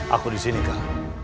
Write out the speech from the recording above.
aku disini kak